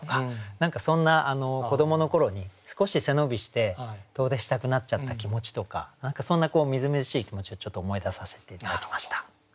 何かそんな子どもの頃に少し背伸びして遠出したくなっちゃった気持ちとか何かそんなみずみずしい気持ちをちょっと思い出させて頂きました。